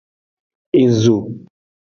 Ezo.